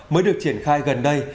mới được triển khai gần đây